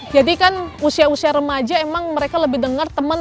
jadi usia usia remaja mereka lebih dengar teman